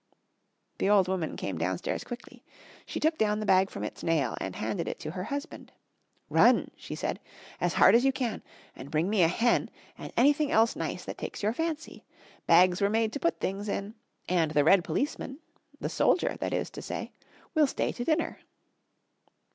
The old woman came downstairs quickly. She took down the bag from its nail and handed it to her husband. "Run," she said, "as hard as you can, and bring me a hen and anything else nice that takes your fancy. Bags were made to put things in. And the red policeman the soldier, that is to say will stay to dinner."